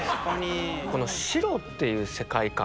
この白っていう世界観